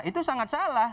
itu sangat salah